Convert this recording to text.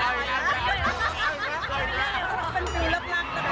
เห็นแม่งสองฟันผือลัก